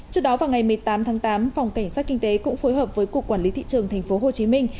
trước đó vào ngày một mươi tám tháng tám phòng cảnh sát kinh tế cũng phối hợp với cục quản lý thị trường tp hcm